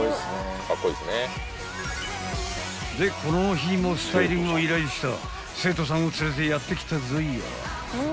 ［でこの日もスタイリングを依頼した生徒さんを連れてやって来たぞい］